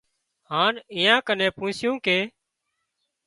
هانَ ايئان ڪن پوسِيُون ڪي